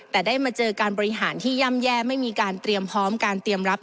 แต่ได้มาเจอการบริหารที่ย่ำแย่ไม่มีการเตรียมพร้อมการเตรียมรับ